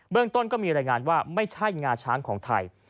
ต้นก็มีรายงานว่าไม่ใช่งาช้างของไทย